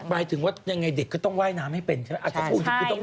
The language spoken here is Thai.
หมายถึงว่ายังไงเด็กก็ต้องว่ายน้ำให้เป็นใช่ไหม